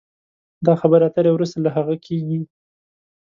دا خبرې اترې وروسته له هغه کېږي